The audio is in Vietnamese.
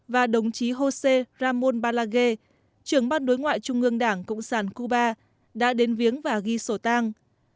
và đồng chí josé ramón balague trưởng ban đối ngoại trung ương đảng cộng sản cuba đã đến viếng và ghi sổ tang